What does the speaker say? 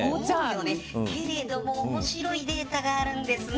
けれども面白いデータがあるんですね。